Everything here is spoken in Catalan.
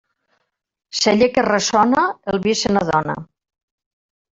Celler que ressona, el vi se n'adona.